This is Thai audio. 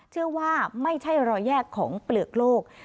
เชื่อว่าไม่ใช่รอยแยกของเปลือกโลก